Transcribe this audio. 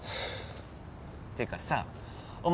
ていうかさお前